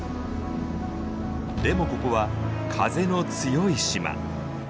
でもここは風の強い島。